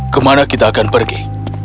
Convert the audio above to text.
kemana kita akan pergi